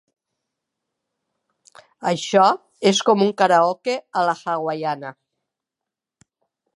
Això és com un karaoke a la hawaiana.